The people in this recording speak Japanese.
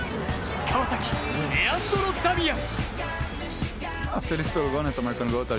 川崎、レアンドロ・ダミアン。